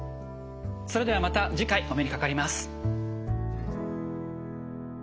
それではまた次回お目にかかります。